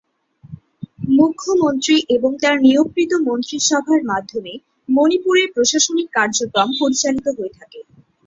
মুখ্যমন্ত্রী এবং তার নিয়োগকৃত মন্ত্রিসভার মাধ্যমে মণিপুরের প্রশাসনিক কার্যক্রম পরিচালিত হয়ে থাকে।